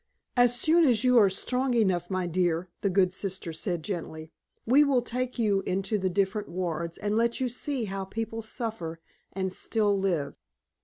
"As soon as you are strong enough, my dear," the good sister said, gently, "we will take you into the different wards and let you see how people suffer and still live.